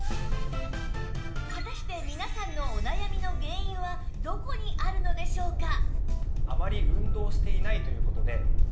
果たして皆さんのお悩みの原因はどこにあるのでしょうか？